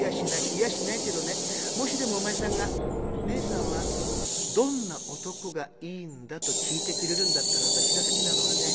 言いやしないけどねもしでもお前さんが『ねえさんはどんな男がいいんだ？』と聞いてくれるんだったら私が好きなのはね